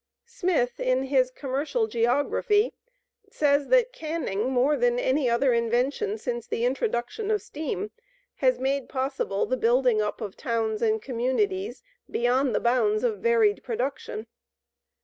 Smith, in his "Commercial Geography," says that "canning, more than any other invention since the introduction of steam, has made possible the building up of towns and communities beyond the bounds of varied production."